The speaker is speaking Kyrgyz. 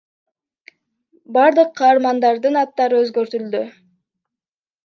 Бардык каармандардын аттары өзгөртүлдү.